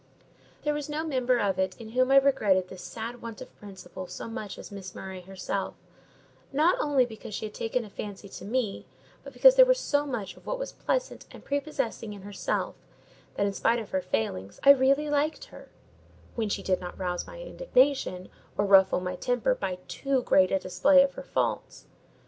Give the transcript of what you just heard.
There was no member of it in whom I regretted this sad want of principle so much as Miss Murray herself; not only because she had taken a fancy to me, but because there was so much of what was pleasant and prepossessing in herself, that, in spite of her failings, I really liked her—when she did not rouse my indignation, or ruffle my temper by too great a display of her faults.